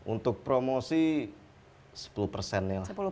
untuk promosi sepuluh persennya lah